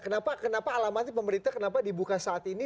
kenapa alamatnya pemerintah kenapa dibuka saat ini